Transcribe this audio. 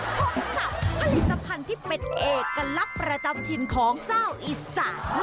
ว้าวพบกับผลิตภัณฑ์ที่เป็นเอกลับประจำทินของเจ้าอิศักดิ์